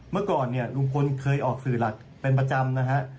เมื่อก่อนเนี่ยลุงพลเคยออกสื่อหลักเป็นประจำนะฮะ